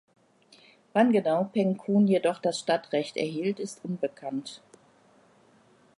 Wann genau Penkun jedoch das Stadtrecht erhielt ist unbekannt.